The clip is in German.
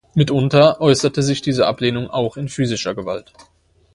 Mitunter äußerte sich diese Ablehnung auch in physischer Gewalt.